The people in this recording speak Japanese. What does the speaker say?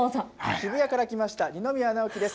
渋谷から来ました二宮直輝です。